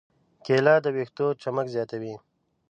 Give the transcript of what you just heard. کېله د ویښتو چمک زیاتوي.